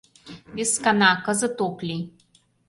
Вескана, кызыт ок лий.